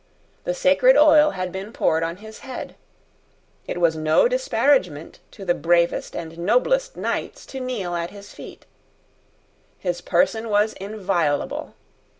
The sacred oil had been poured on his head. It was no disparagement to the bravest and noblest knights to kneel at his feet. His person was inviolable.